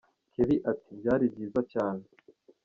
keli ati “ Byari byiza cyane.